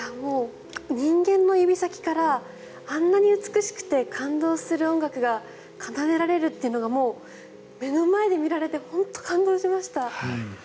人間の指先からあんなに美しくて感動する音楽が奏でられるというのが目の前で見られて本当に感動しました。